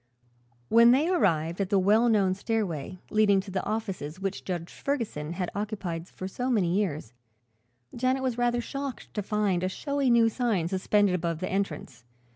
When they arrived at the well known stairway leading to the offices which Judge Ferguson had occupied for so many years, Janet was rather shocked to find a showy new sign suspended above the entrance.